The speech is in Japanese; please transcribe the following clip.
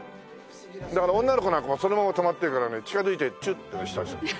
だから女の子なんかもそのまま止まってるからね近づいてチュッとかしたりする。